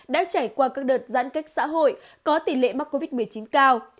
đã trải qua các đợt giãn cách xã hội có tỷ lệ mắc covid một mươi chín cao